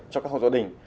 cho các hộ gia đình